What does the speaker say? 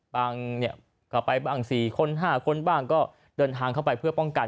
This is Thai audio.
บางเนี่ยก็ไปบางสี่คนห้าคนบ้างก็เดินทางเข้าไปเพื่อป้องกัน